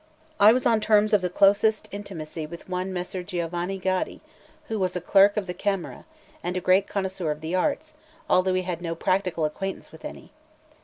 I was on terms of the closest intimacy with one Messer Giovanni Gaddi, who was a clerk of the Camera, and a great connoisseur of the arts, although he had no practical acquaintance with any.